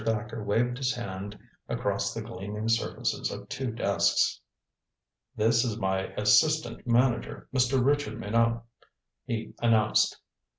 Thacker waved his hand across the gleaming surfaces of two desks. "This is my assistant manager, Mr. Richard Minot," he announced.